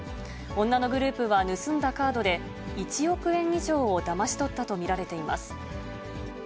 女のグループは盗んだカードで、１億円以上をだまし取ったと見られています。